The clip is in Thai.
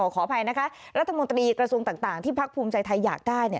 ขออภัยนะคะรัฐมนตรีกระทรวงต่างที่พักภูมิใจไทยอยากได้